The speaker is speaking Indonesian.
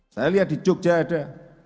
saya lihat di jogja ada